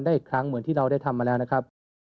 อีกครั้งเหมือนที่เราได้ทำมาแล้วนะครับ